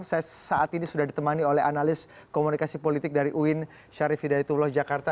saya saat ini sudah ditemani oleh analis komunikasi politik dari uin syarif hidayatullah jakarta